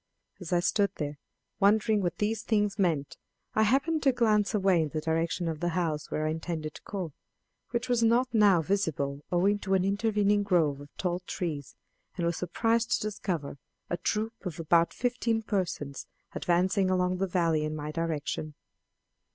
As I stood there, wondering what these things meant, I happened to glance away in the direction of the house where I intended to call, which was not now visible owing to an intervening grove of tall trees, and was surprised to discover a troop of about fifteen persons advancing along the valley in my direction.